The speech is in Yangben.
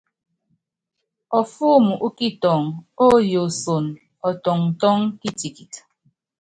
Ɔfɔ́ɔm ú kitɔŋ óyooson ɔtɔŋtɔ́ŋ kitikit.